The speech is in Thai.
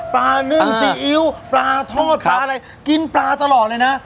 นึ่งซีอิ๊วปลาทอดปลาอะไรกินปลาตลอดเลยนะ